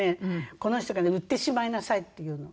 この人がね「売ってしまいなさい」って言うの。